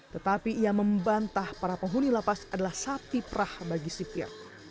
tetapi ia membantah para penghuni lapas adalah sapi perah bagi sipir